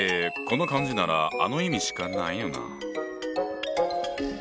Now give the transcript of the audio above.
この漢字ならあの意味しかないよな。